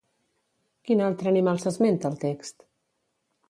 Quin altre animal s'esmenta al text?